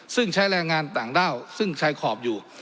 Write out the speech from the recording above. ซึ่งใช้แรงงานต่างด้าวซึ่งใช้ขอบอยู่